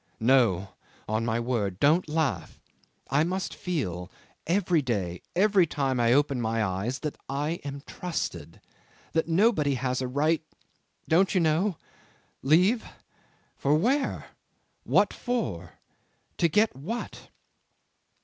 No on my word. Don't laugh. I must feel every day, every time I open my eyes that I am trusted that nobody has a right don't you know? Leave! For where? What for? To get what?"